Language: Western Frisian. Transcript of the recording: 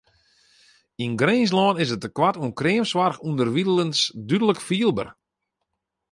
Yn Grinslân is it tekoart oan kreamsoarch ûnderwilens dúdlik fielber.